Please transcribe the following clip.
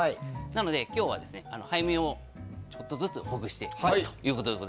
なので今日は、背面をちょっとずつほぐしていきます。